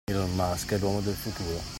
Elon Musk è l’uomo del futuro.